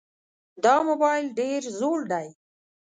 دا موبایل ډېر زوړ دی.